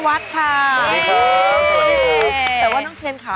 วัดค่ะแต่ว่าน้องเชนค่ะ